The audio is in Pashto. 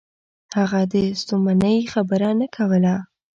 هغه د ستومنۍ خبره نه کوله.